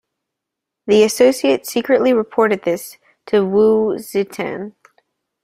The associate secretly reported this to Wu Zetian.